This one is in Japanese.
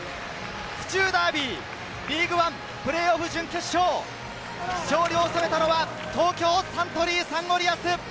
府中ダービー、リーグワンプレーオフ準決勝、勝利を収めたのは東京サントリーサンゴリアス。